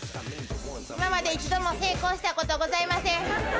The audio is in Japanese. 今まで一度も成功した事ございません。